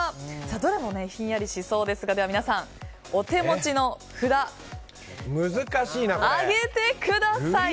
どれもひんやりしそうですが皆さん、お手持ちの札を上げてください。